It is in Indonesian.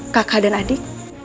kaka dan adik